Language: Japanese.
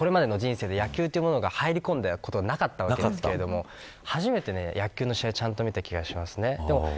僕は、これまでの人生であんまり野球というものが入り込んでいなかったんですが初めて野球の試合をちゃんと見た気がします。